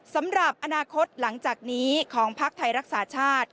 สำหรับอนาคตหลังจากนี้ของพักไทยรักษาชาติ